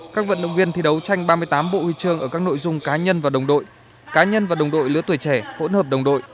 các vận động viên thi đấu tranh ba mươi tám bộ huy chương ở các nội dung cá nhân và đồng đội cá nhân và đồng đội lứa tuổi trẻ hỗn hợp đồng đội